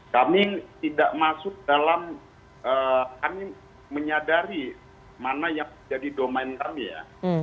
kami tidak masuk dalam kami menyadari mana yang menjadi domain kami ya